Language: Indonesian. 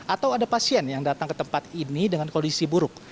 atau ada pasien yang datang ke tempat ini dengan kondisi buruk